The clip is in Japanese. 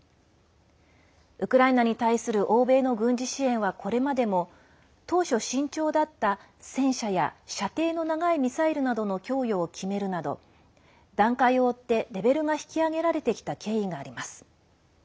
ウクライナに対する欧米の軍事支援は、これまでも当初、慎重だった戦車や射程の長いミサイルなどの供与を決めるなど段階を追ってレベルが引き上げられてきた経緯があります。